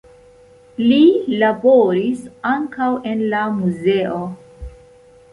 Li laboris ankaŭ en la muzeo.